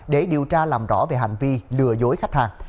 để điều tra làm rõ về hành vi lừa dối khách hàng